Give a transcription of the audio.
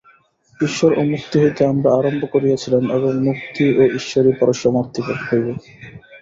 ঈশ্বর ও মুক্তি হইতে আমরা আরম্ভ করিয়াছিলাম, এবং মুক্তি ও ঈশ্বরেই পরিসমাপ্তি হইবে।